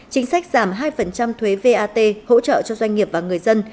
chính sách giảm hai thuế vat hỗ trợ cho doanh nghiệp và người dân